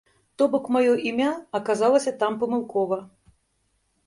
То-бок маё імя аказалася там памылкова.